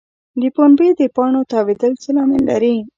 د پنبې د پاڼو تاویدل څه لامل لري؟